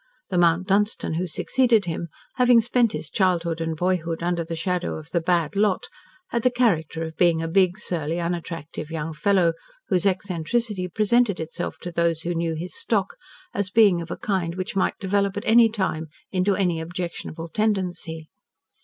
The Mount Dunstan who succeeded him, having spent his childhood and boyhood under the shadow of the "bad lot," had the character of being a big, surly, unattractive young fellow, whose eccentricity presented itself to those who knew his stock, as being of a kind which might develop at any time into any objectionable tendency.